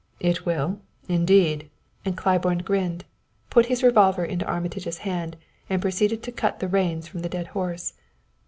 "It will, indeed," and Claiborne grinned, put his revolver into Armitage's hand, and proceeded to cut the reins from the dead horse.